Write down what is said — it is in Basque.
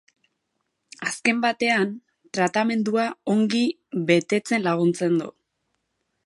Azken batean, tratamendua ongi betetzen laguntzen du.